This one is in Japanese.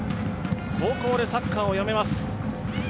高校でサッカーをやめます。